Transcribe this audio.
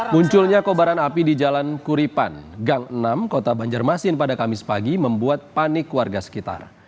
munculnya kobaran api di jalan kuripan gang enam kota banjarmasin pada kamis pagi membuat panik warga sekitar